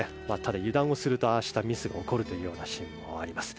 油断をするとああしたミスが起こるシーンもあります。